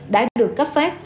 đã được cấp phát